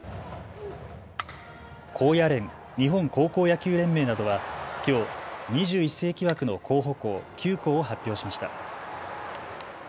高野連・日本高校野球連盟などはきょう、２１世紀枠の候補校９校を発表しました。